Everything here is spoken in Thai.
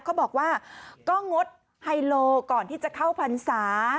เขาบอกว่าก็งดไฮโลก่อนที่จะเข้าพรรษา